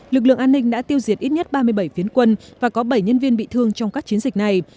lực lượng an ninh đã tiêu diệt ít nhất ba mươi bảy phiến quân và có bảy nhân viên bị thương trong các chiến dịch này